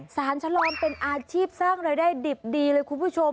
สารชะลอมเป็นอาชีพสร้างรายได้ดิบดีเลยคุณผู้ชม